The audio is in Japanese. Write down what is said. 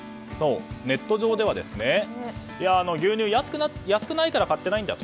ネット上では牛乳が安くなってないから買ってないんだと。